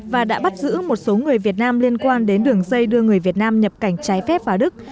và đã bắt giữ một số người việt nam liên quan đến đường dây đưa người việt nam nhập cảnh trái phép vào đức